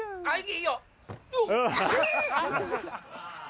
いいよ！